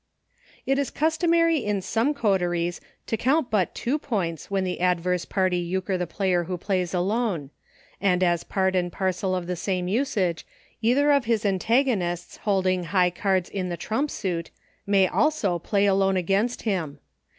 It is customary in some coteries to count but two points when the adverse party Euchre the player who Plays Alone, and as part and parcel of the same usage either of his antago nists holding high cards in the trump suit, may also Play Alone against him.